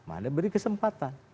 anda beri kesempatan